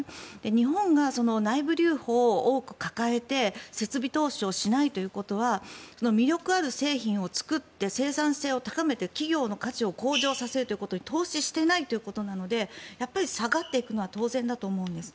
日本が内部留保を多く抱えて設備投資をしないということは魅力ある製品を作って生産性を高めて企業の価値を向上させるということに投資をしていないということなのでやっぱり下がっていくのは当然だと思うんです。